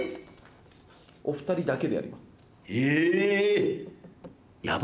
お２人だけでやります。